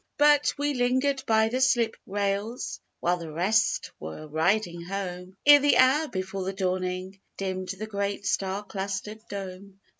But we lingered by the slip rails While the rest were riding home, Ere the hour before the dawning, Dimmed the great star clustered dome.